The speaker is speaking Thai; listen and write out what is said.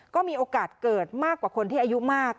ก็มีโอกาสเกิดมากกว่าคนที่อายุมาก